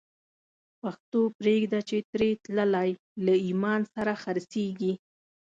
پښتو پریږده چی تری تللی، له ایمان سره خرڅیږی